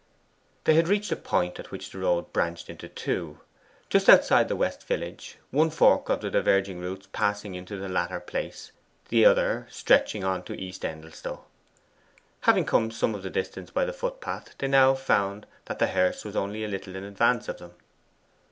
They had reached a point at which the road branched into two just outside the west village, one fork of the diverging routes passing into the latter place, the other stretching on to East Endelstow. Having come some of the distance by the footpath, they now found that the hearse was only a little in advance of them.